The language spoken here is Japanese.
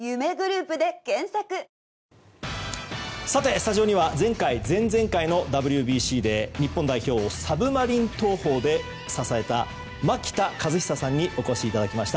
スタジオには前回、前々回のＷＢＣで日本代表をサブマリン投法で支えた牧田和久さんにお越しいただきました。